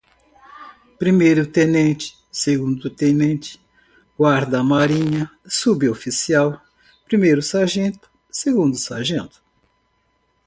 Primeiro-Tenente, Segundo-Tenente, Guarda-Marinha, Suboficial, Primeiro-Sargento, Segundo-Sargento